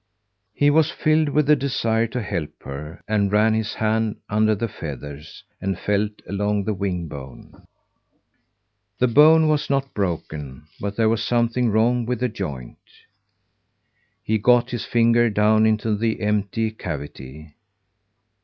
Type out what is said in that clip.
He was filled with a desire to help her, and ran his hand under the feathers, and felt along the wing bone. The bone was not broken, but there was something wrong with the joint. He got his finger down into the empty cavity.